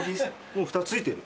もう２つ付いてる。